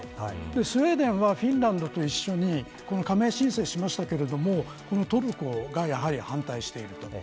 スウェーデンはフィンランドと一緒にこの加盟申請しましたけれどもトルコがやはり反対していると。